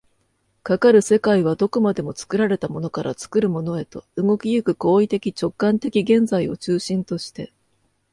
かかる世界はどこまでも作られたものから作るものへと、動き行く行為的直観的現在を中心として、